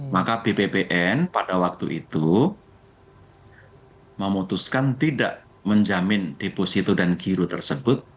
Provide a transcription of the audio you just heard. maka bppn pada waktu itu memutuskan tidak menjamin deposito dan giro tersebut